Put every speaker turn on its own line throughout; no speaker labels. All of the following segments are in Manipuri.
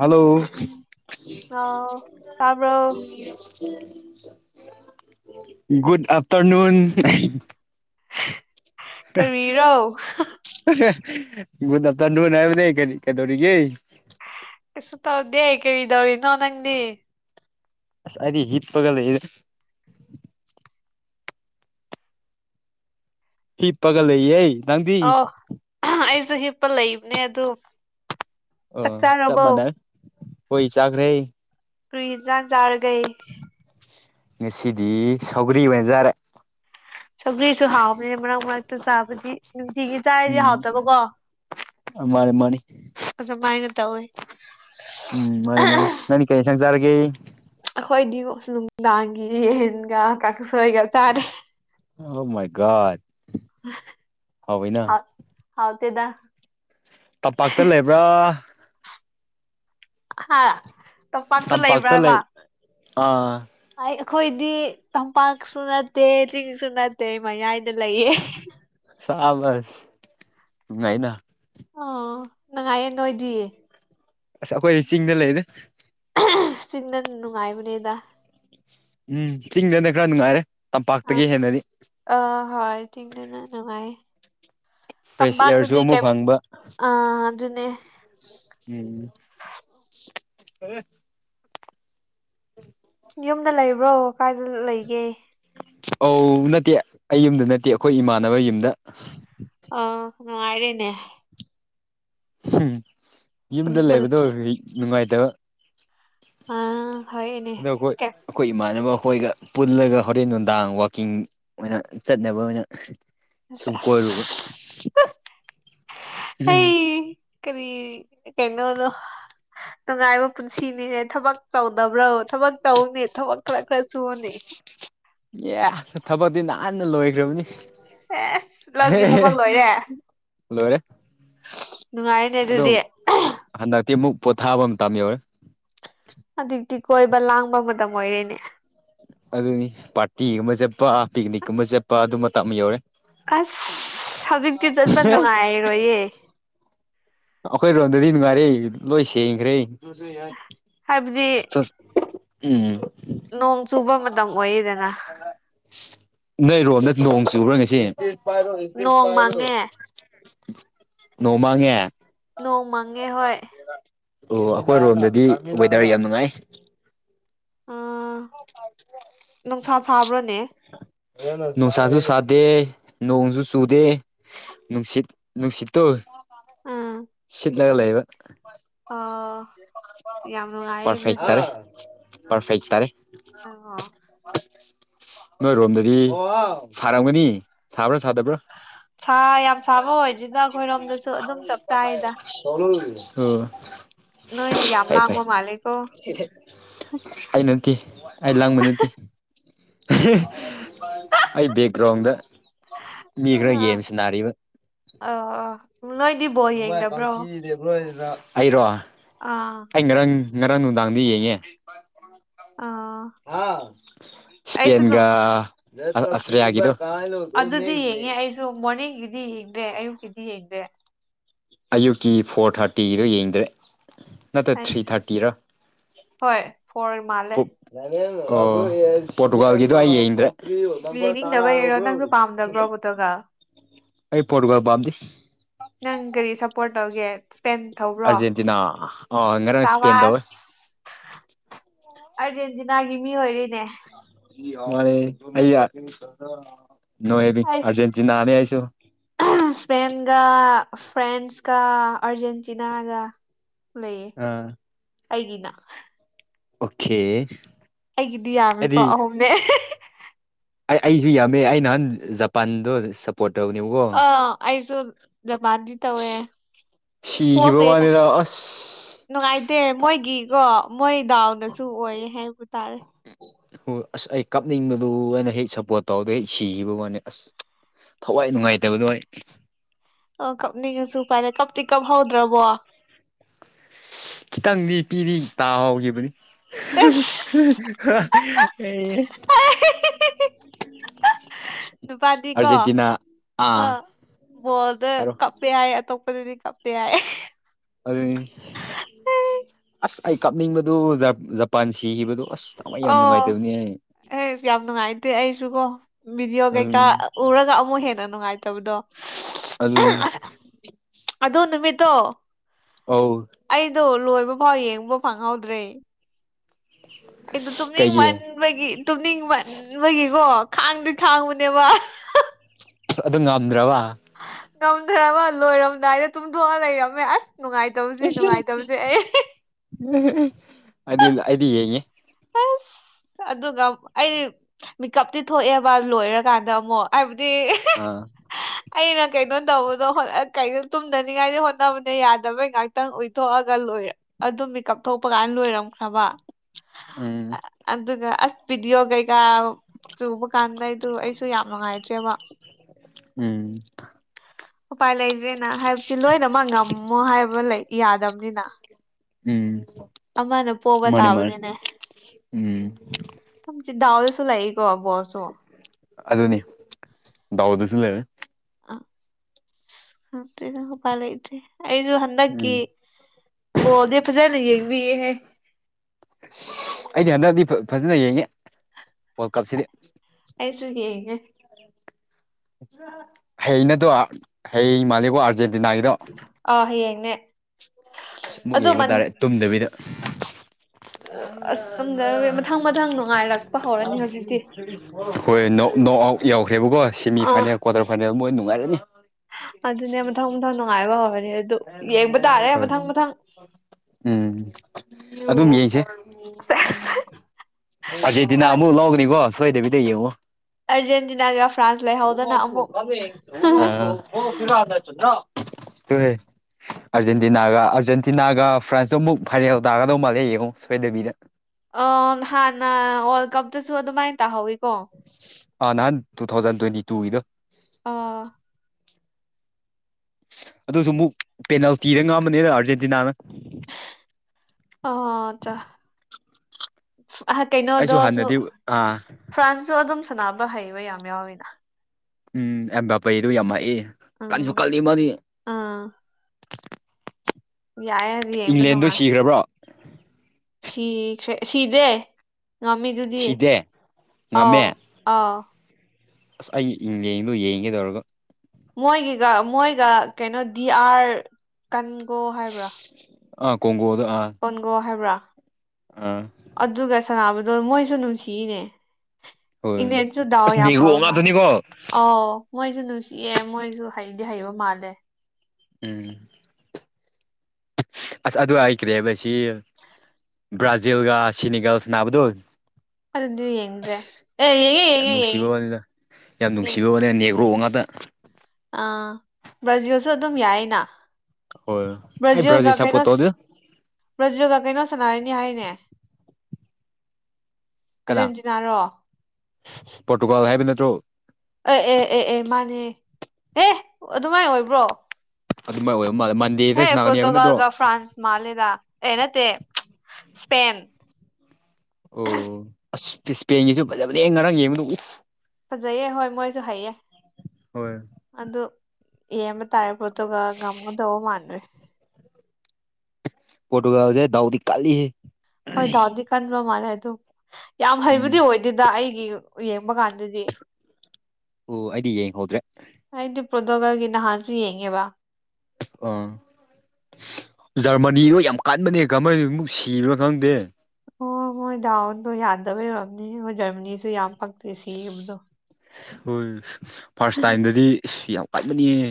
ꯍꯜꯂꯣ
ꯑꯥꯎ ꯇꯥꯕ꯭ꯔꯣ
ꯨꯒꯨꯠ ꯑꯐꯇꯔꯅꯨꯟ
ꯀꯔꯤꯔꯣ
ꯒꯨꯠ ꯑꯐꯇꯔꯅꯨꯟ ꯍꯥꯏꯕꯅꯦ ꯀꯔꯤ ꯀꯩꯗꯧꯔꯤꯒꯦ
ꯀꯩꯁꯨ ꯇꯧꯗꯦ ꯀꯔꯤ ꯇꯧꯔꯤꯅꯣ ꯅꯪꯗꯤ
ꯑꯁ ꯑꯩꯗꯤ ꯍꯤꯞꯞꯒ ꯂꯩꯗ ꯍꯤꯞꯄꯒ ꯂꯩꯌꯦ ꯅꯪꯗꯤ
ꯑꯣ ꯑꯩꯁꯨ ꯍꯤꯞꯄ ꯂꯩꯕꯅꯦ ꯑꯗꯨ
ꯑꯣ
ꯆꯥꯛ
ꯆꯞ
ꯆꯥꯔꯕꯣ
ꯃꯥꯟꯅꯩ ꯍꯣꯏ ꯆꯥꯈ꯭ꯔꯦ
ꯀꯔꯤ ꯏꯟꯖꯥꯡ ꯆꯥꯔꯒꯦ꯫
ꯉꯁꯤꯗꯤ ꯁꯧꯒ꯭ꯔꯤ ꯑꯣꯏꯅ ꯆꯥꯔꯦ
ꯁꯧꯒꯔ꯭ꯤꯁꯨ ꯍꯥꯎꯕꯅꯤ ꯃꯔꯛ ꯃꯔꯛꯇ ꯆꯥꯕꯗꯤ ꯅꯨꯡꯇꯤꯒꯤ ꯆꯥꯔꯗꯤ
ꯎꯝ
ꯍꯥꯎꯇꯕꯀꯣ
ꯃꯥꯅꯦ ꯃꯥꯅꯦ
ꯑꯗꯨꯃꯥꯏꯅ ꯇꯧꯋꯦ
ꯎꯝ ꯃꯥꯅꯦ ꯃꯥꯅꯦ ꯅꯪꯗꯤ ꯀꯩ ꯏꯟꯖꯥꯡ ꯆꯥꯔꯒꯦ
ꯑꯩꯈꯣꯏꯗꯤ ꯅꯨꯡꯗꯥꯡꯒꯤ ꯌꯦꯟꯒ ꯀꯥꯡꯁꯣꯏꯒ ꯆꯥꯔꯦ
ꯑꯣ ꯃꯥꯏ ꯒꯣꯠ ꯍꯥꯎꯋꯤꯅ
ꯍꯥꯎꯇꯦꯗ
ꯇꯝꯄꯥꯛꯇ ꯂꯩꯕ꯭ꯔꯥ
ꯍꯥꯥ
ꯇꯝꯄꯥꯛꯇ ꯂꯩ ꯑꯥ
ꯑꯩꯈꯣꯏꯗꯤ ꯇꯝꯄꯥꯛꯁꯨ ꯅꯠꯇꯦ ꯆꯤꯡꯁꯨ ꯅꯠꯇꯦ ꯃꯌꯥꯏꯗ ꯂꯩꯌꯦ
ꯁꯕꯥꯁ ꯅꯨꯡꯉꯥꯏꯅ
ꯑꯥ ꯅꯨꯡꯉꯥꯏꯌꯦ ꯅꯣꯏꯗꯤ
ꯑꯁ ꯑꯩꯈꯣꯏꯗꯤ ꯆꯤꯡꯗ ꯂꯩꯅꯦ
ꯆꯤꯡꯅ ꯅꯨꯡꯉꯥꯏꯕꯅꯦꯗ
ꯎꯝ ꯆꯤꯡꯗꯅꯦ ꯈꯔ ꯅꯨꯡꯉꯥꯏꯔꯦ
ꯑ
ꯇꯝꯄꯥꯛꯇꯒꯤ ꯍꯦꯟꯅꯗꯤ
ꯑ ꯍꯣꯏ ꯆꯤꯡꯗꯅ ꯅꯨꯡꯉꯥꯏꯌ ꯦ
ꯐ꯭ꯔꯦꯁ ꯑꯦꯌꯥꯔꯁꯨ
ꯇꯝꯄꯥꯛꯇꯗꯤ
ꯑꯃꯨꯛ
ꯀꯩ
ꯐꯪꯕ
ꯑ ꯑꯗꯨꯅꯦ
ꯎꯝ ꯎꯝ
ꯌꯨꯝꯗ ꯂꯩꯕ꯭ꯔꯣ ꯀꯥꯏꯗ ꯂꯩꯒꯦ
ꯑꯧ ꯅꯠꯇꯦ ꯑꯩ ꯌꯨꯝꯗ ꯅꯠꯇꯦ ꯑꯩꯈꯣꯏ ꯏꯃꯥꯟꯅꯕꯩ ꯌꯨꯝꯗ
ꯑ ꯅꯨꯡꯉꯥꯏꯔꯦꯅꯦ
ꯎ
ꯄꯨꯟ
ꯌꯨꯝꯗ
ꯄꯨꯟ
ꯂꯩꯕꯗꯣ ꯅꯨꯡꯉꯥꯏꯇꯕ
ꯑꯥ ꯍꯣꯏꯅꯦ
ꯑꯈꯣꯏ
ꯀꯩꯝ
ꯑꯩꯈꯣꯏ ꯏꯃꯥꯟꯅꯕ ꯑꯩꯈꯣꯏꯒ ꯄꯨꯜꯂꯒ ꯍꯣꯔꯦꯟ ꯅꯨꯡꯗꯥꯡ ꯋꯥꯛꯀꯤꯡ ꯑꯣꯏꯅ ꯆꯠꯅꯕ ꯑꯣꯏꯅ
ꯑꯁ
ꯁꯨꯝ ꯀꯣꯏꯔꯨꯕ
ꯑꯩ ꯀꯔꯤ ꯀꯩꯅꯣꯗꯣ ꯅꯨꯡꯉꯥꯏꯕ ꯄꯨꯟꯁꯤꯅꯤꯅꯦ ꯊꯕꯛ ꯇꯧꯗꯕ꯭ꯔꯣ ꯊꯕꯛ ꯇꯧꯋꯣꯅꯦ ꯊꯕꯛ ꯈꯔ ꯈꯔ ꯁꯨꯋꯣꯅꯦ
ꯑꯦ ꯊꯕꯛꯇꯤ ꯅꯥꯍꯥꯟꯅ ꯂꯣꯏꯈ꯭ꯔꯕꯅꯤ
ꯑꯦꯁ ꯂꯧꯒꯤ ꯊꯕꯛ ꯂꯣꯏꯔꯦ
ꯂꯣꯏꯔꯦ
ꯅꯨꯡꯉꯥꯏꯔꯦꯅꯦ ꯑꯗꯨꯗꯤ
ꯍꯟꯗꯛꯇꯤꯃꯨꯛ ꯄꯣꯊꯥꯕ ꯇꯝꯃꯤ ꯌꯧꯔꯦ
ꯍꯧꯖꯤꯛꯇꯤ ꯀꯣꯏꯕ ꯂꯥꯡꯕ ꯃꯇꯝ ꯑꯣꯏꯔꯦꯅꯦ
ꯑꯗꯨꯅꯤ ꯄꯥꯔꯇꯤꯒꯨꯝꯕ ꯆꯠꯄ ꯄꯤꯛꯅꯤꯛꯀꯨꯝꯕ ꯆꯠꯄ ꯑꯗꯨ ꯃꯇꯝ ꯌꯧꯔꯦ
ꯑꯁ ꯍꯧꯖꯤꯛꯇꯤ ꯆꯠꯄ ꯅꯨꯡꯉꯥꯏꯔꯣꯏꯌꯦ
ꯑꯩꯈꯣꯏꯔꯣꯟꯗꯗꯤ ꯅꯨꯡꯉꯥꯏꯔꯦ ꯂꯣꯏ ꯁꯦꯡꯈ꯭ꯔꯦ
ꯍꯥꯏꯕꯗꯤ
ꯎꯝ
ꯅꯣꯡ ꯆꯨꯕ ꯃꯇꯝ ꯑꯣꯏꯔꯤꯗꯅ
ꯅꯣꯏ ꯔꯣꯝꯗ ꯅꯣꯡ ꯆꯨꯨꯕꯔ ꯉꯁꯤ
ꯅꯣꯡ ꯃꯪꯉꯦ
ꯅꯣꯡꯃꯪꯡꯉꯦ
ꯅꯣꯡ ꯃꯪꯡꯉꯦ ꯍꯣꯏ
ꯑꯣ ꯑꯩꯈꯣꯏ ꯔꯣꯝꯗꯗꯤ ꯋꯦꯗꯔ ꯌꯥꯝ ꯅꯨꯡꯉꯥꯏ
ꯑ
ꯑꯣ ꯐꯩꯏ
ꯁꯥ ꯁꯥꯕ꯭ꯔꯅꯦ
ꯅꯨꯡꯁꯥꯁꯨ ꯁꯥꯗꯦ ꯅꯣꯡꯁꯨ ꯆꯨꯗꯦ ꯅꯨꯡꯁꯤꯠ ꯅꯨꯡꯁꯤꯠꯇꯨ ꯁꯤꯠꯂꯒ ꯂꯩꯕ
ꯑꯥ
ꯄꯔꯐꯦ ꯇꯥꯔꯦ ꯄꯔꯐꯦꯛ ꯇꯥꯔꯦ
ꯑꯣ
[unintelligible] ꯅꯣꯏ ꯔꯣꯝꯗꯗꯤ ꯁꯥꯔꯝꯒꯅꯤ ꯁꯥꯕ꯭ꯔꯥ ꯁꯥꯗꯕ꯭ꯔꯥ
ꯁꯥ ꯌꯥꯝ ꯁꯥꯕ ꯑꯣꯏꯗꯦꯗ ꯑꯩꯈꯣꯏꯔꯣꯝꯗꯁꯨ ꯑꯗꯨꯝ ꯆꯞ ꯆꯥꯗ
ꯍ
ꯅꯣꯏ ꯌꯥꯝ ꯂꯥꯡꯕ ꯃꯥꯂꯤꯀꫭ
ꯏꯗ ꯑꯩ ꯅꯠꯇ ꯑ ꯂꯪ ꯃ ꯅꯠꯇꯤ ꯑꯩ ꯕꯦꯛꯒ꯭ꯔꯥꯎꯟꯗ ꯃꯤ ꯈꯔ ꯒꯦꯝꯁꯥꯟꯅꯔꯤꯕ
ꯑ ꯑꯥ ꯅꯣꯏꯗꯤ ꯕꯣꯜ ꯌꯦꯡꯗꯕ꯭ꯔꯣ
ꯑꯩꯔꯣ
ꯑꯥ
ꯑꯩ ꯉꯔꯥꯡ ꯉꯔꯥꯡ ꯅꯨꯡꯗꯥꯡꯗꯤ ꯌꯦꯡꯉꯦ
ꯑꯥ ꯑꯩꯁꯨ
ꯏꯁꯄꯦꯟꯒ ꯑꯁꯇꯔꯦꯂꯤꯌꯥꯒꯤꯗꯣ
ꯑꯗꯨꯗꯤ ꯌꯦꯡꯉꯦ ꯑꯩꯁꯨ ꯃꯣꯔꯅꯤꯡꯒꯤꯗꯤ ꯌꯦꯡꯗ꯭ꯔꯦ ꯑꯌꯨꯛꯀꯤꯗꯤ ꯌꯦꯡꯗ꯭ꯔꯦ
ꯑꯌꯨꯛꯀꯤ ꯐꯣꯔ ꯊꯥꯔꯇꯤꯒꯤꯗꯣ ꯌꯦꯡꯗ꯭ꯔꯦ ꯅꯠꯇ
ꯑꯁ
ꯊ꯭ꯔꯤ ꯊꯥꯔꯇꯤꯔ
ꯍꯣꯏ ꯐꯣꯔ ꯃꯥꯜꯂꯦ
ꯑꯣ ꯄꯣꯔꯇꯨꯒꯥꯜꯒꯤꯗꯨꯣ ꯑꯩ ꯌꯦꯡꯗ꯭ꯔꯦ ꯇ
ꯂꯩꯅꯤꯡꯗꯕꯩꯔꯣ ꯅꯪꯁꯨ ꯄꯥꯝꯗꯕ꯭ꯔꯣ ꯄꯣꯔꯇꯨꯒꯜ
ꯑꯩ ꯄꯣꯠꯒꯔꯝꯗꯤ
ꯅꯪ ꯀꯔꯤ ꯁꯄꯣꯠ ꯇꯧꯒꯦꯠ ꯇꯦꯟ ꯊꯧꯕ꯭ꯔꯣ
ꯑꯥꯔꯖꯦꯟꯇꯤꯅꯥ ꯑ ꯉꯔꯥꯡ ꯏꯁꯄꯦꯟ ꯇꯧꯋꯦ
ꯆꯥꯋꯥꯁ ꯑꯥꯔꯖꯦꯟꯇꯤꯅꯥꯒꯤ ꯃꯤ ꯑꯣꯏꯔꯤꯅꯦ
ꯅꯣꯏꯕꯤ
ꯑꯩ
ꯑꯔꯖꯦꯟꯇꯤꯅꯥ ꯑꯅꯤ ꯍꯥꯏꯁꯨꯣ
ꯏꯁꯄꯦꯟꯒ ꯐ꯭ꯔꯥꯟꯁ ꯀ ꯑꯔꯖꯦꯟꯇꯤꯅꯥꯒ ꯂꯩꯌꯦ
ꯑꯥ
ꯑꯩꯒꯤꯅ
ꯑꯣꯀꯦ
ꯑꯩꯒꯤꯗꯤ ꯌꯥꯝꯃꯤꯀꯣ
ꯑꯩꯗꯤ
ꯑꯍꯨꯝꯅꯦ
ꯑꯩ ꯑꯩꯁꯨ ꯌꯥꯝꯃꯦ ꯑꯩ ꯅꯍꯥꯟ ꯖꯄꯥꯟꯗꯣ ꯄꯣꯠꯇꯣꯅꯦꯕꯣ
ꯑ ꯑꯩꯁꯨ ꯃꯥꯟꯗꯤ ꯇꯧꯋꯦ
ꯁꯤꯈꯤꯕ
ꯄꯣꯈ꯭ꯔꯦꯗ
ꯋꯥꯅꯤꯗ ꯑꯁ
ꯅꯨꯡꯉꯥꯏꯇꯦ ꯃꯣꯏꯒꯤꯀꯣ ꯃꯣꯏ ꯗꯥꯎꯟꯗꯁꯨ ꯑꯣꯏ ꯍꯥꯏꯕ ꯇꯥꯔꯦ
ꯍꯣꯏ ꯑꯁ ꯑꯩ ꯀꯥꯞꯅꯤꯡꯕꯗꯨ ꯑꯩꯅ ꯍꯦꯛ ꯁꯞꯄꯣꯔꯠ ꯇꯧꯗ ꯍꯦꯛ ꯁꯤꯈꯤꯕ ꯋꯥꯅꯤ ꯑꯁ ꯊꯋꯥꯏ ꯅꯨꯡꯉꯥꯏꯇꯕꯗꯣ ꯑꯩ
ꯑꯣ ꯀꯞꯅꯤꯡꯉꯁꯨ ꯄꯥꯏꯔꯦ ꯀꯞꯇꯤ ꯀꯞꯍꯧꯗ꯭ꯔꯕꯣ
ꯈꯤꯇꯪꯗꯤ ꯄꯤꯔꯤ ꯇꯥꯍꯧꯈꯤꯕꯅꯤ
ꯑꯁ
ꯑꯩ
ꯅꯨꯗꯨꯄꯥꯗꯤ ꯀꯣ ꯑꯣ
ꯑꯥ
ꯕꫭꯜꯗ ꯀ
ꯍꯥꯏꯔꯣ
ꯀꯞꯇꯦ ꯍꯥꯏꯏꯌꯦ ꯑꯇꯣꯞꯄꯗꯗꯤ ꯀꯞꯄꯦ ꯍꯥꯏꯏꯌꯦ
ꯑꯗꯨ ꯑꯁ ꯑꯩ ꯀꯥꯞꯅꯤꯡꯕꯗꯨ ꯖꯄꯥꯟ ꯁꯤꯈꯤꯕꯗꯨ ꯑꯁ ꯍ ꯌꯥꯝ ꯅꯨꯡꯉꯥꯏꯇꯕꯅꯤꯅ
ꯑꯦ ꯌꯥꯝ ꯅꯨꯡꯉꯥꯏꯇꯦ ꯑꯩꯁꯨ ꯀꯣ ꯚꯤꯗꯤꯑꯣ ꯀꯩꯀ
ꯎꯝ
ꯎꯔꯒ ꯑꯃꯨꯛ ꯍꯦꯟꯅ ꯅꯨꯡꯉꯥꯏꯇꯦ ꯇꯕꯗꯣ
ꯑꯗꯨꯅꯤ
ꯑꯍꯝ ꯑꯗꯣ ꯅꯨꯃꯤꯠꯇꯣ
ꯑꯧ
ꯑꯩꯗꯣ ꯂꯣꯏꯕ ꯐꯥꯎ ꯌꯦꯡꯕ ꯐꯪꯍꯧꯗ꯭ꯔꯦ ꯑꯩꯗꯣ ꯇꯨꯝꯅꯤꯡ
ꯀꯩꯒꯤ
ꯃꯟꯕꯒꯤ ꯇꯨꯝꯅꯤꯡ ꯃꯟꯕꯒꯤꯀꯣ ꯈꯥꯡꯗꯗꯤ ꯈꯥꯡꯕꯅꯦꯕ
ꯑꯁ ꯑꯗꯨ ꯉꯝꯗ꯭ꯔꯕ
ꯉꯝꯗ꯭ꯔꯕ ꯂꯣꯏꯔꯝꯗꯥꯏꯗ ꯇꯨꯝꯊꯣꯛꯑ ꯂꯩꯔꯝꯃꯦ ꯑꯁ ꯅꯨꯡꯉꯥꯏꯇꯦ ꯇꯁ ꯅꯨꯡꯉꯥꯏꯇꯕꯁꯦ ꯑꯩ
ꯑꯗꯤ ꯌꯦꯦꯉꯦ
ꯑ ꯑꯗꯨꯒ ꯑꯩ ꯃꯤꯀꯞꯇꯤ ꯊꯣꯛꯑꯦꯕ ꯂꯣꯏꯔꯀꯥꯟꯗ ꯑꯃꯨꯛ ꯍꯥꯏꯕꯗꯤ
ꯑꯥ
[unintelligible] ꯑꯩꯅ ꯀꯩꯅꯣ ꯇꯧꯕꯗꯣ ꯇꯨꯝꯗꯅꯤꯡꯉꯥꯏꯗꯤ ꯍꯣꯠꯅꯕꯅꯦ ꯌꯥꯗꯕꯩ ꯉꯍꯥꯛꯇꯪ ꯎꯊꯣꯛꯑꯒ ꯂꯣꯏꯔꯦ ꯑꯗꯨ ꯃꯤꯀꯞ ꯊꯣꯛꯄ ꯀꯥꯏꯅ ꯂꯣꯏꯔꯝꯈ꯭ꯔꯕ
ꯎꯝ
ꯑꯗꯨꯒ ꯑꯁ ꯄꯤꯗꯌꯣꯒꯩꯒ ꯆꯨꯕ ꯀꯥꯟꯗꯩꯗꯨ ꯑꯩꯁꯨ ꯌꯥꯝ ꯅꯨꯡꯉꯥꯏꯇ꯭ꯔꯦꯕ
ꯎꯝ
ꯎꯄꯥꯏ ꯂꯩꯗ꯭ꯔꯦꯅ ꯍꯥꯏꯕꯗꯤ ꯂꯣꯏꯅꯃꯛ ꯉꯝꯃꯣ ꯍꯥꯏꯕ ꯂꯩ ꯌꯥꯗꯕꯅꯤꯅ
ꯎꯝ
ꯑꯃꯅ ꯄꯣꯕ
ꯃꯥꯅꯤ ꯃꯥꯅꯤ
ꯇꯥꯕꯅꯤꯅꯦ
ꯎꯝ
ꯁꯝ ꯆꯤ ꯗꯥꯎꯗꯁꯨ ꯂꯩꯏꯀꯣ ꯕꯣꯜ
ꯑꯗꯨꯅꯤ ꯗꯥꯎꯗꯁꯨ ꯂꯩꯔꯦ꯫
[unintelligible] ꯎꯄꯥꯏ ꯂꯩꯇꯦ ꯑꯩꯁꯨ ꯍꯟꯗꯛꯀꯤ
ꯎꯝ
ꯑꯣꯗꯤ ꯐꯖꯅ ꯌꯦꯕꯤꯕ
ꯑꯩꯗꯤ ꯍꯟꯗꯛꯗꯤ ꯐꯖ ꯐꯖꯅ ꯌꯦꯡꯉꯦ ꯋꯥꯔꯜ ꯀꯞꯁꯤꯗꯤ
ꯑꯩꯁꯨ ꯌꯦꯡꯉꯦ
ꯍꯩꯅꯗꯣ ꯍꯩ ꯃꯥꯜꯂꯤꯒꯣ ꯑꯔꯖꯦꯟꯇꯤꯅꯥꯒꯤꯗꯣ
ꯑ ꯍꯌꯦꯅꯦ
ꯑ ꯑꯃꯨꯛ ꯌꯦꯡꯕ ꯇꯥꯔꯦ ꯇꯨꯝꯗꯕꯤꯗ
ꯑꯁ ꯆꯨꯝꯗ ꯃꯊꯪ ꯃꯊꯪ ꯅꯨꯡꯉꯥꯏꯔꯛꯄ ꯍꯧꯔꯅꯤ ꯍꯧꯖꯤꯛꯇꯤ
ꯍꯈꯣꯏ ꯅꯣꯛ ꯑꯥꯎꯠ ꯌꯥꯎꯈ꯭ꯔꯦꯕꯀꯣ ꯁꯦꯃꯤ
ꯑꯥ
ꯐꯥꯏꯅꯦꯜ ꯀ꯭ꯋꯥꯇꯔ ꯐꯥꯏꯅꯦꯜ ꯃꯣꯏ ꯅꯨꯡꯉꯥꯏꯔꯅꯤ
ꯑꯗꯨꯅꯦ ꯃꯊꯪ ꯃꯊꯪ ꯅꯨꯡꯉꯥꯏꯕ ꯍꯧꯔꯅꯤ ꯑꯗꯨ ꯌꯦꯡꯕ ꯇꯥꯔꯦ
ꯍꯣꯏ
ꯃꯊꯪ ꯃꯊꯪ
ꯎꯝ ꯑꯗꯨꯝ ꯌꯦꯡꯁꯦ
[unintelligible]
ꯑꯔꯖꯦꯟꯇꯤꯅꯥ
ꯍꯣꯏ
ꯑꯃꯨꯛ ꯂꯧꯒꯅꯤꯀꯣ ꯁꯣꯏꯗꯕꯤꯗ ꯌꯦꯡꯉꯣ
ꯑꯥꯔꯖꯦꯟꯇꯤꯅꯥꯒ ꯐ꯭ꯔꯥꯟꯁ ꯂꯩꯍꯧꯗꯅ ꯑꯃꯨꯛ
[unintelligible] ꯇꯨꯍꯦ ꯑꯥꯔꯖꯦꯟꯇꯤꯅꯥꯒ ꯑꯥꯔꯖꯦꯟꯇꯤꯅꯥꯒ ꯐ꯭ꯔꯥꯟꯁꯇꯣ ꯑꯃꯨꯛ ꯐꯥꯏꯅꯦꯜ ꯇꯥꯒꯗꯧ ꯃꯥꯜꯂꯦ ꯌꯦꯡꯉꯣ ꯁꯣꯏꯗꯕꯤꯗ
ꯑ ꯅꯍꯥꯟꯅ ꯋꯥꯔꯜ ꯀꯞꯇꯁꯨ ꯑꯗꯨꯃꯥꯏꯅ ꯇꯥꯍꯧꯋꯤꯀꯣ
ꯑ ꯅꯍꯥꯟ ꯇꯨ ꯊꯥꯎꯖꯟ ꯇ꯭ꯋꯦꯟꯇꯤ ꯇꯨꯒꯤꯗꯣ
ꯑꯥ
ꯑꯗꯨꯁꯨ ꯑꯃꯨꯛ ꯄꯦꯅꯥꯜꯇꯤꯗ ꯉꯥꯝꯕꯅꯤꯅ ꯑꯥꯔꯖꯦꯟꯇꯤꯅꯥꯅ
ꯑꯣ ꯆ ꯑ
ꯑꯩꯁꯨ
ꯀꯩꯅꯣꯗꯣꯁꯨ
ꯍꯥꯟꯅꯗꯤ ꯑꯥ
ꯐ꯭ꯔꯥꯟꯁꯁꯨ ꯑꯗꯨꯝ ꯁꯥꯟꯅꯕ ꯍꯩꯕ ꯌꯥꯝ ꯌꯥꯎꯋꯤꯅ
ꯎꯝ ꯑꯦꯝꯕꯥꯞꯄꯦꯗꯣ ꯌꯥꯝ ꯍꯩꯌꯦ
ꯎꯝ
ꯀꯟꯁꯨ ꯀꯜꯂꯤ ꯃꯥꯗꯤ
ꯑꯥ ꯌꯥꯏ
ꯏꯪꯂꯦꯟꯗꯣ
ꯌꯦꯡꯕꯅꯅꯨꯡꯉ
ꯁꯤꯈ꯭ꯔꯕ꯭ꯔꯣ
ꯁꯤꯈ꯭ꯔꯦ ꯁꯤꯗꯦ ꯉꯝꯃꯤꯗꯨꯗꯤ
ꯁꯤꯗꯦ
ꯑꯥꯎ
ꯉꯝꯃꯦ
ꯑꯥꯎ
ꯑꯁ ꯑꯩ ꯌꯦꯡꯗꯣ ꯌꯦꯡꯒꯦ ꯇꯧꯔꯒ
ꯃꯣꯏꯒꯤꯒ ꯃꯣꯏꯒ ꯀꯩꯅꯣ ꯗꯤ ꯑꯥꯔ ꯀꯟꯒꯣ ꯍꯥꯏꯕ꯭ꯔꯥ
ꯑ ꯀꯒꯗ ꯑ
ꯀꯣꯟꯒꯣ ꯍꯥꯏꯕ꯭ꯔꯥ
ꯑꯝ
ꯑꯗꯨꯒ ꯁꯅꯕꯗꯣ ꯃꯣꯏꯁꯨ ꯅꯨꯡꯁꯤꯔꯤꯅꯦ
ꯍꯣꯏ
ꯏꯅꯦꯁꯨꯗꯑꯣ
ꯑꯁ
ꯌꯥ
ꯅꯦꯒ꯭ꯔꯣ
ꯐꯥꯎꯕ ꯃꯥ
ꯉꯥꯛꯇꯅꯤꯀꯣ
ꯑꯣ ꯃꯣꯏꯁꯨ ꯅꯨꯡꯁꯤꯑꯦ ꯃꯣꯏꯁꯨ ꯍꯩꯗꯤ ꯍꯩꯕ ꯃꯥꯜꯂꯦ
ꯎꯝ ꯑꯁ ꯑꯗꯨ ꯍꯥꯏꯈ꯭ꯔꯦꯕ ꯁꯤ ꯕ꯭ꯔꯥꯖꯤꯜꯒ ꯁꯤꯅꯤꯒꯜꯁ ꯅꯥꯕꯗꯣ
ꯑꯗꯨꯗꯤ ꯌꯦꯡꯗꯔꯦ ꯑꯦ ꯌꯦꯡꯉꯦ
ꯌꯥꯝ
ꯌꯦꯡꯉꯦ
ꯅꯨꯡꯁꯤꯕ
ꯌꯦꯡꯉꯦ
ꯋꯥꯅꯤꯗ ꯌꯥꯝ
ꯌꯦꯡꯉꯦ
ꯅꯨꯡꯁꯤꯕꯅꯦ ꯅꯦꯛꯒ꯭ꯔꯣ ꯉꯥꯛꯇ
ꯑꯥ ꯕ꯭ꯔꯥꯖꯤꯜꯁꯨ ꯑꯗꯨꯝ ꯌꯥꯏꯅ
ꯍꯣꯏ ꯑꯩ ꯕ꯭ꯔꯥꯖꯤꯜ
ꯕ꯭ꯔꯥꯖꯤꯜꯒ
ꯁꯞꯄꯣꯔꯠ
ꯀꯩꯅꯣ
ꯇꯧꯗꯦꯗ
ꯕ꯭ꯔꯥꯖꯤꯜꯒ ꯀꯩꯅꯣ ꯁꯥꯟꯅꯔꯅꯤ ꯍꯥꯏꯅꯦ ꯑꯔꯖꯦꯟꯇꯤꯅꯥꯔꯣ
ꯄꯣꯔꯇꯨꯒꯜ ꯍꯥꯏꯕꯅꯠꯇꯔꯣ
ꯑꯦ ꯑꯦ ꯑꯦ ꯑꯦ ꯃꯥꯅꯦ ꯑꯦꯦ ꯑꯗꯨꯃꯥꯏꯅ ꯑꯣꯏꯕ꯭ꯔꯣ
ꯑꯗꯨꯃꯥꯏ ꯑꯣꯏꯕ ꯃꯥꯜꯂꯦ ꯃꯟꯗꯦꯗ ꯁꯥꯅꯒꯅꯤ ꯍꯥꯏꯕ ꯅꯠꯇ꯭ꯔꯣ
ꯃꯥꯂꯦꯗ ꯑꯦꯅꯠꯇ ꯁꯄꯦꯟ
ꯑꯣ ꯑꯁ ꯏꯁꯄꯦꯟꯒꯤꯁꯨ ꯐꯖꯕꯅꯦ ꯍ ꯉꯔꯥꯡ ꯌꯦꯡꯕꯗ ꯎ
ꯐꯖꯩꯌꯦ ꯍꯣꯏ ꯃꯣꯏꯁꯨ ꯍꯩꯌꯦ
ꯍꯣꯏ
ꯑꯗꯨ ꯌꯦꯡꯕ ꯇꯥꯔ ꯑꯗꯨꯒ ꯉꯝꯒꯗꯧ ꯃꯥꯟꯔꯦ
ꯄꯣꯇꯨꯒꯜꯁꯦ ꯗꯗꯥꯎꯗꯤ ꯀꯥꯂꯤ ꯍꯦ
ꯍꯣꯏ ꯗꯥꯎꯗꯤ ꯀꯟꯕ ꯃꯥꯜꯂꯦ ꯑꯗꯨ ꯌꯥꯝ ꯍꯩꯕꯨꯗꯤ
ꯎꯝ
ꯑꯣꯏꯗꯦꯗ ꯑꯩꯒꯤ ꯌꯦꯡꯕ ꯀꯥꯟꯗꯗꯤ
ꯑꯣ ꯑꯩꯗꯤ ꯌꯦꯡꯍꯧꯗ꯭ꯔꯦ
ꯑꯩꯗꯤ ꯄ꯭ꯔꯣꯗꯒꯥꯒꯤ ꯅꯍꯥꯟꯁꯨ ꯌꯦꯡꯉꯦꯕ
ꯑꯥ ꯖꯔꯃꯅꯤꯗꯣ ꯌꯥꯝ ꯀꯟꯕꯅꯦ ꯀꯃꯥꯏꯅ ꯑꯃꯨꯛ ꯁꯤꯕ꯭ꯔꯥ ꯈꯪꯗꯦ
ꯑꯣ ꯃꯣꯏ ꯗꯥꯎꯗꯣ ꯌꯥꯗꯕꯩ ꯑꯣꯏꯔꯝꯅꯤ ꯍꯣꯏ ꯖꯔꯃꯅꯤꯁꯨ ꯌꯥꯝ ꯄꯛꯇꯦ ꯁꯤꯕꯗꯣ
ꯍꯣꯏ ꯐꯥꯔꯁ ꯇꯥꯏꯝꯗꯗꯤ ꯌꯥꯝ ꯀꯟꯕꯅꯤꯍꯦ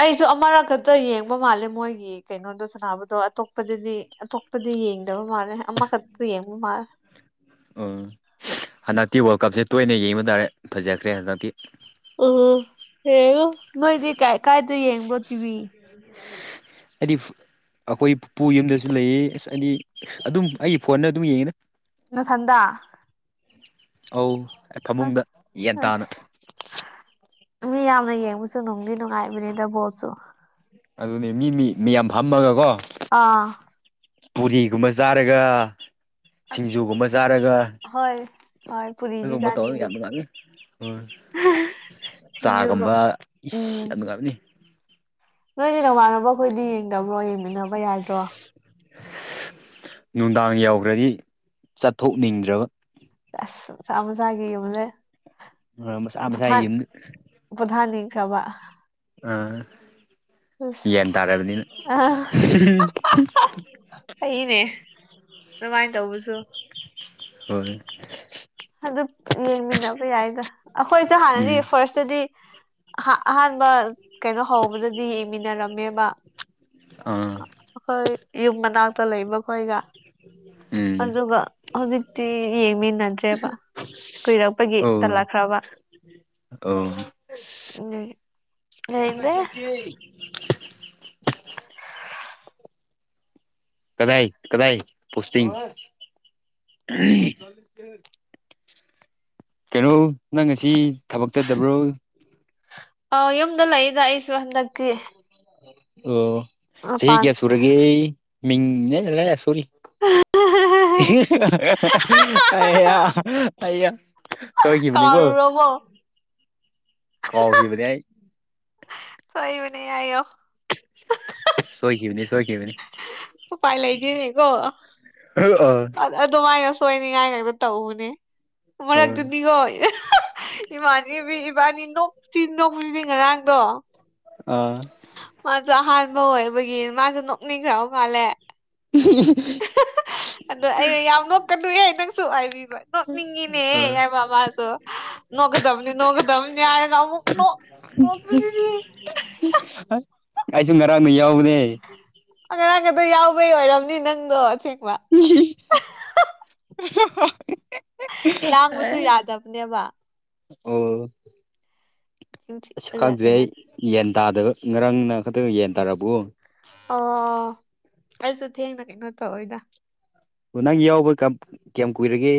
ꯑꯩꯁꯨ ꯑꯃꯔꯛ ꯈꯛꯇ ꯌꯦꯡꯕ ꯃꯥꯜꯂꯦ ꯃꯣꯏꯒꯤ ꯀꯩꯅꯣꯗꯣ ꯁꯥꯟꯅꯕꯗꯣ ꯑꯇꯣꯞꯄꯗꯗꯤ ꯑꯇꯣꯞꯄꯗꯤ ꯌꯦꯡꯗꯕ ꯃꯥꯜꯂꯦ ꯑꯃꯈꯛꯇ ꯌꯦꯡꯕ ꯃꯥꯜꯂꯦ
ꯎꯝ ꯍꯟꯗꯛꯇꯤ ꯋꯥꯔꯜ ꯀꯞꯁꯦ ꯇꯣꯏꯅ ꯌꯦꯡꯕ ꯇꯥꯔꯦ ꯐꯖꯈ꯭ꯔꯦ ꯍꯟꯗꯛꯇꯤ
ꯑꯣ ꯌꯦꯡꯉꯨ ꯅꯣꯏꯗꯤ ꯀꯥꯏꯗ ꯌꯦꯡꯕ꯭ꯔꯣ ꯇꯤꯚꯤ
ꯑꯩꯗꯤ ꯑꯩꯈꯣꯏ ꯄꯨꯄꯨ ꯌꯨꯝꯗꯁꯨ ꯂꯩꯌꯦ ꯑꯁ ꯑꯅꯤ ꯑꯗꯨꯝ ꯑꯩꯒꯤ ꯐꯣꯟꯅ ꯑꯗꯨꯝ ꯌꯦꯡꯉꯤꯅ
ꯅꯊꯟꯗ
[inaudible] ꯑꯧ ꯐꯃꯨꯡꯗ
ꯑꯁ
ꯌꯦꯟꯇꯥꯥꯅ
ꯑꯁ ꯃꯤ ꯌꯥꯝꯅ ꯌꯦꯡꯕꯁꯨ ꯅꯨꯡꯗꯤ ꯅꯨꯡꯉꯥꯏꯕꯅꯤꯗ ꯕꯣꯜꯁꯨ
ꯑꯗꯨꯅꯤ ꯃꯤ ꯃꯤ ꯃꯤꯌꯥꯝ ꯐꯝꯃꯒꯀꯣ
ꯑꯥ
ꯄꯨꯔꯤꯒꯨꯝꯕ ꯆꯥꯔꯒ
ꯑꯁ
ꯁꯤꯡꯖꯨꯒꯨꯝꯕ ꯆꯥꯔꯒ
ꯍꯣꯏ [unintelligible]
ꯑꯗꯨꯒꯨꯝꯕ ꯇꯧꯔ
ꯆꯥꯅꯤꯡꯗꯦ
ꯌꯥꯝꯅ ꯅꯨꯡꯉꯥꯏꯕꯅꯦ ꯍꯣꯏ
ꯁꯤꯡꯖꯨꯒ
ꯆꯥꯒꯨꯝꯕ ꯏꯁ
ꯎꯝ
ꯌꯥꯝ ꯅꯨꯡꯉꯥꯏꯕꯅꯤ
ꯅꯣꯏꯗꯤ ꯅꯣꯡꯃꯥꯟꯅꯕ ꯈꯣꯏꯗꯤ ꯌꯦꯡꯗꯕ꯭ꯔꯣ ꯌꯦꯡꯃꯤꯟꯅꯕ ꯌꯥꯗ꯭ꯔꯣ
ꯅꯨꯡꯗꯥꯡ ꯌꯧꯈ꯭ꯔꯗꯤ ꯆꯠꯊꯣꯛꯅꯤꯡꯗ꯭ꯔꯕ
ꯑꯁ [unintelligible]
ꯑ ꯃꯁꯥ ꯃꯁꯥ ꯌꯨꯝ
ꯄ꯭ꯣꯊꯥꯅꯤꯡꯈ꯭ꯔꯕ
ꯑꯥ
ꯑꯁ
ꯌꯥꯟ ꯇꯥꯔꯕꯅꯤꯅ
ꯑ
[unintelligible]
ꯐꯩꯅꯦ ꯑꯗꯨꯃꯥꯏꯅ ꯇꯧꯕꯁꯨ
ꯍꯣꯏ
ꯑꯗꯨ ꯌꯦꯡꯃꯤꯟꯅꯕ ꯌꯥꯏꯗ ꯑꯩꯈꯣꯏꯁꯨ ꯍꯥꯟꯅꯗꯤ
ꯎꯝ
ꯐꯥꯔꯁꯇꯗꯤ ꯑꯍꯥ ꯑꯍꯥꯟꯕ ꯀꯩꯅꯣ ꯍꯧꯕꯗꯗꯤ ꯌꯦꯡꯃꯤꯟꯅꯔꯝꯃꯦꯕ
ꯑꯥ
ꯑꯩꯈꯣꯏ ꯌꯨꯝ ꯃꯅꯥꯛꯇ ꯂꯩ ꯃꯈꯣꯏꯒ
ꯎꯝ
ꯑꯗꯨꯒ ꯍꯧꯖꯤꯛ ꯇꯤ ꯌꯦꯡꯃꯤꯟꯅꯗ꯭ꯔꯦꯕ ꯀꯨꯏꯔꯛꯄꯒꯤ
ꯑꯣ
ꯇꯜꯂꯛꯈ꯭ꯔꯕ
ꯑꯣ
[unintelligible]
ꯀꯗꯥꯏ ꯀꯗꯥꯏ ꯄꯨꯣꯁꯇꯤꯡ ꯀꯩꯅꯣ ꯅꯪ ꯉꯁꯤ ꯊꯕꯛ ꯆꯠꯇꯕ꯭ꯔꯣ
ꯑꯣ ꯌꯨꯝꯗ ꯂꯩꯗ ꯑꯩ
ꯑꯣ ꯆꯍꯤ
ꯃꯄꯥꯟ
ꯀꯌꯥ ꯁꯨꯔꯒꯤ ꯃꯤꯡ ꯅꯦꯂꯦ ꯁꯣꯔꯤ [unintelligible] ꯍꯩꯌꯥ ꯁꯣꯏꯈꯤꯕꯅꯤꯀꯣ
ꯀꯥꯎꯔꯨꯔꯕꯣ
ꯀꯥꯎꯈꯤꯕꯅꯦ ꯑꯩ
ꯁꯣꯏꯕꯅꯦ ꯍꯥꯏꯌꯣ [unintelligible]
ꯁꯣꯏꯈꯤꯕꯅꯤ ꯁꯣꯏꯈꯤꯕꯅꯤ
ꯎꯄꯥꯏ ꯂꯩꯇꯦꯅꯦ ꯀꯣ
[unintelligible]
ꯑꯗꯣꯃꯥꯏꯅ ꯁꯣꯏꯅꯤꯡꯉꯥꯏ ꯇꯧꯕꯅꯦ
ꯑꯥ
ꯃꯔꯛꯇꯗꯤꯀꯣ ꯏꯃꯥꯟꯅꯕꯤ ꯏꯕꯥꯅꯤ ꯅꯣꯛꯇꯤ ꯅꯣꯛꯄꯁꯤꯗꯤ ꯉꯔꯥꯡꯗꯣ
ꯑ
ꯃꯥꯁꯨ ꯑꯍꯥꯟꯕ ꯑꯣꯏꯕꯒꯤ ꯃꯥꯁꯨ ꯅꯣꯛꯅꯤꯡꯈ꯭ꯔꯕ ꯃꯥꯜꯂꯦ
[unintelligible]
[unintelligible] ꯑꯗꯣ ꯑꯩ ꯌꯥꯝ ꯅꯣꯛꯀꯅꯨꯍꯦ ꯅꯪꯁꯨ ꯍꯥꯏꯕꯤꯕ ꯅꯣꯛꯅꯤꯡꯉꯤꯅꯦ
ꯑꯩꯁꯨ
ꯍꯥꯏꯕ ꯃꯥꯁꯨ ꯅꯣꯛꯒꯗꯕꯅꯤ ꯅꯣꯛꯒꯗꯕꯅꯤ ꯍꯥꯏꯔꯒ ꯑꯃꯨꯛ ꯅꯣꯛ [unintelligible]
[unintelligible] ꯑꯩꯁꯨ ꯉꯔꯥꯡꯗꯤ ꯌꯥꯎꯕꯅꯦ
ꯉꯔꯥꯡꯈꯇꯥ ꯌꯥꯎꯕꯩ ꯑꯣꯏꯔꯝꯅꯤ ꯅꯪꯗꯣ ꯑꯁꯦꯡꯕ ꯂꯥꯡꯕꯁꯨ
ꯑꯦ
ꯌꯥꯗꯕꯅꯦꯕ
ꯑꯣ ꯑꯁ ꯈꯪꯗ꯭꯭ꯔꯦ
ꯀꯩꯅꯣ
ꯑꯩ ꯌꯦꯟ ꯇꯥꯗꯕ ꯉꯔꯥꯡꯅ ꯈꯛꯇꯪ ꯌꯦꯟ ꯇꯥꯕꯨ
ꯑꯣ ꯑꯩꯁꯨ ꯊꯦꯡꯅ ꯀꯩꯅꯣ ꯇꯧꯏꯗ
ꯑꯣ ꯅꯪ ꯌꯥꯎꯕ ꯀꯝ ꯀꯌꯥꯝ ꯀꯨꯏꯔꯒꯦ